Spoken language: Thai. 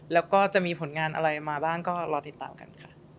แล้วก็จะมีผลงานอะไรมาบ้างก็รอติดตามกันค่ะ